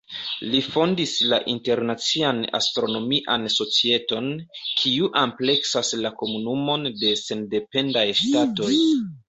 Li fondis la Internacian Astronomian Societon, kiu ampleksas la Komunumon de Sendependaj Ŝtatoj.